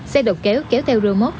xe đầu kéo kéo theo remote